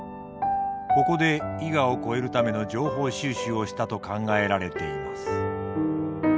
ここで伊賀を越えるための情報収集をしたと考えられています。